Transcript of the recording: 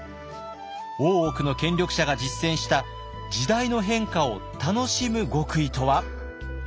大奥の権力者が実践した時代の変化を楽しむ極意とは？